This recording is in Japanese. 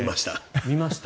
見ました？